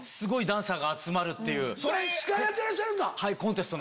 司会やってらっしゃるんだ。